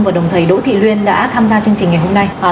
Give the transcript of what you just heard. và đồng thầy đỗ thị uyên đã tham gia chương trình ngày hôm nay